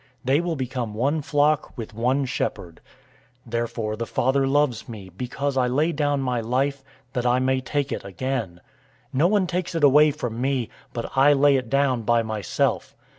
They will become one flock with one shepherd. 010:017 Therefore the Father loves me, because I lay down my life,{Isaiah 53:7 8} that I may take it again. 010:018 No one takes it away from me, but I lay it down by myself.